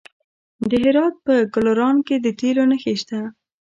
د هرات په ګلران کې د تیلو نښې شته.